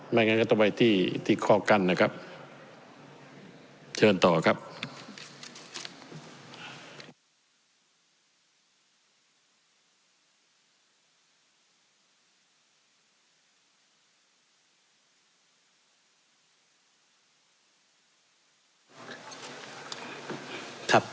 งั้นก็ต้องไปที่ที่ข้อกั้นนะครับเชิญต่อครับ